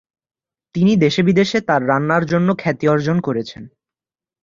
তিনি দেশে বিদেশে তার রান্নার জন্য খ্যাতি অর্জন করেছেন।